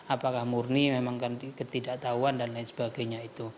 apakah murni memang kan ketidaktahuan dan lain sebagainya itu